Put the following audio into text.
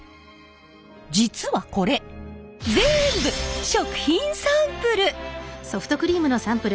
実はこれぜんぶ食品サンプル！